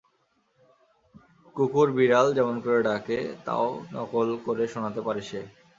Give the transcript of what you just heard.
কুকুর, বিড়াল কেমন করে ডাকে, তা–ও নকল করে শোনাতে পারে সে।